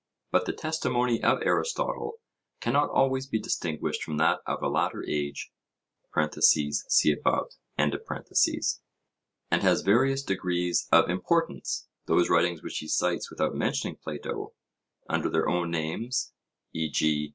But the testimony of Aristotle cannot always be distinguished from that of a later age (see above); and has various degrees of importance. Those writings which he cites without mentioning Plato, under their own names, e.g.